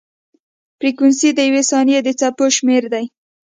فریکونسي د یوې ثانیې د څپو شمېر دی.